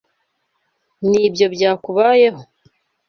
Nibyo byakubayeho?